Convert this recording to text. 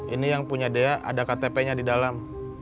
ini yang punya dea ada ktp nya di dalam